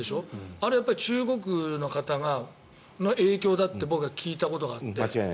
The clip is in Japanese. あれ、中国の方の影響だって僕は聞いたことがあって。